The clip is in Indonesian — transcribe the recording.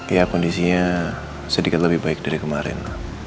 ya kondisinya sedikit lebih baik dari kemarin